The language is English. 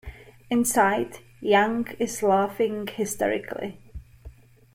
Inside, Yang is laughing hysterically.